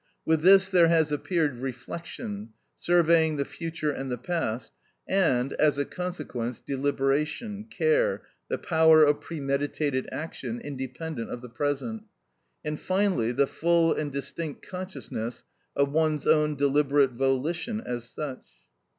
With this there has appeared reflection, surveying the future and the past, and, as a consequence, deliberation, care, the power of premeditated action independent of the present, and finally, the full and distinct consciousness of one's own deliberate volition as such.